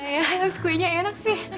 ya kuenya enak sih